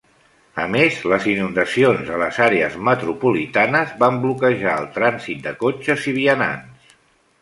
A més, les inundacions a les àrees metropolitanes van bloquejar el trànsit de cotxes i vianants.